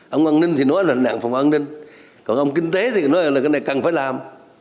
ông an ninh thì nói là nạn phòng an ninh còn ông kinh tế thì nói là cái này cần phải làm